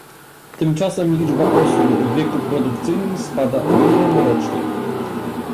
Tymczasem liczba osób w wieku produkcyjnym spada o milion rocznie